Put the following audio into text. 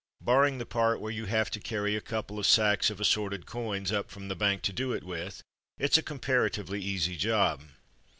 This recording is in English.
Barring the part where you have to carry a couple of sacks of assorted coins up from the bank to do it with, it's a comparatively easy job.